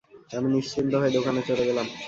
আমি নিশ্চিন্ত হয়ে দোকানে চলে গেলাম।